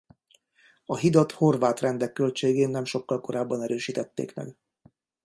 A hidat horvát rendek költségén nem sokkal korábban erősítették meg.